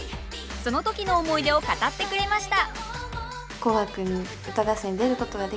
その時の思い出を語ってくれました。